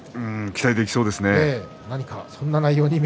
期待できそうですね。